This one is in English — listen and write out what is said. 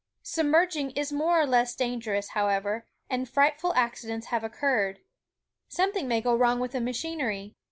Submerging is more or less dangerous, however, and fright ful accidents have occurred. Something may go wrong with the machinery.